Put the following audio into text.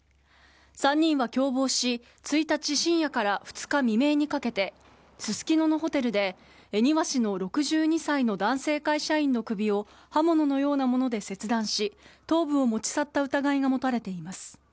３人は共謀し１日深夜から２日未明にかけてススキノのホテルで恵庭市の６２歳の男性会社員の首を刃物のようなもので切断し頭部を持ち去った疑いが持たれています。